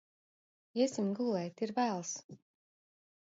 Iesim gulēt, ir vēls!